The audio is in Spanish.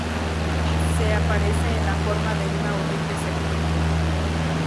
Se aparece en la forma de una horrible serpiente.